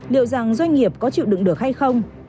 liệu rằng doanh nghiệp có chịu đựng được hay không